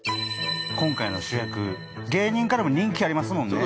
今回の主役芸人からも人気ありますもんね。